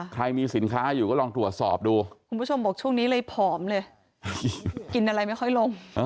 ใครมีสินค้าอยู่ก็ลองตรวจสอบดูคุณผู้ชมบอกช่วงนี้เลยผอมเลยกินอะไรไม่ค่อยลง